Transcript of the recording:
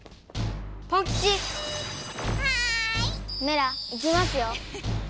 メラいきますよ。